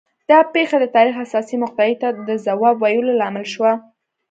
دا پېښه د تاریخ حساسې مقطعې ته د ځواب ویلو لامل شوه